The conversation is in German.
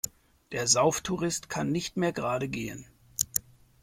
Der Sauftourist kann nicht mehr gerade gehen.